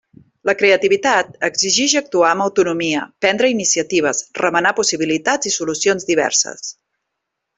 La creativitat exigix actuar amb autonomia, prendre iniciatives, remenar possibilitats i solucions diverses.